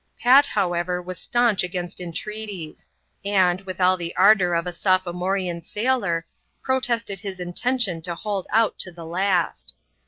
Pat, however, was staunch against entreaties; and, with all the ardour of a sophomorean sailor, protested his intention to hold out to the last.